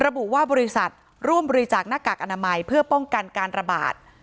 ระบุว่าบริษัทร่วมบริจาคหน้ากากอนามัยเพื่อป้องกันการระบาด